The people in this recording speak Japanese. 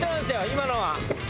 今のは。